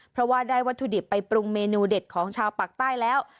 เพราะว่าได้วัตถุดิบไปปรุงเมนูเด็ดของชาวปากใต้แล้ว